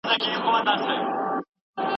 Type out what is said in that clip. ایا دغه پوهنتون د څيړني اسانتیاوې لري؟